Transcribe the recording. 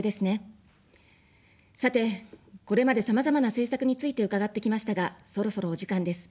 さて、これまで、さまざまな政策について伺ってきましたが、そろそろお時間です。